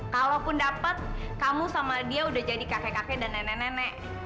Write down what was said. kalaupun dapat kamu sama dia udah jadi kakek kakek dan nenek nenek